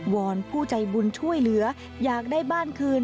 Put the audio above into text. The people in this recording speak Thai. อนผู้ใจบุญช่วยเหลืออยากได้บ้านคืน